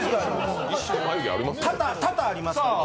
多々ありますから。